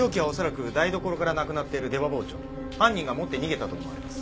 犯人が持って逃げたと思われます。